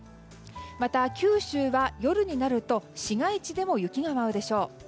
また、九州は夜になると市街地でも雪が舞うでしょう。